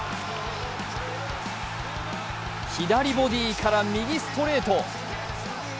左ボディから右ストレート。